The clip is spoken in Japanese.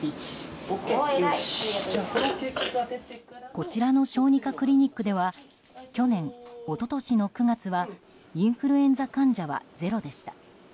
こちらの小児科クリニックでは去年、一昨年の９月はインフルエンザ患者はゼロでした。